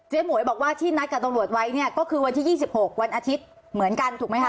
หมวยบอกว่าที่นัดกับตำรวจไว้เนี่ยก็คือวันที่๒๖วันอาทิตย์เหมือนกันถูกไหมคะ